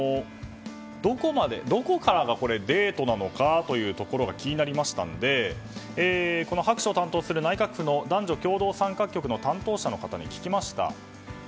どこからがデートなのか気になりましたので白書を担当する内閣府の男女共同参画白書の担当者の方に聞きました。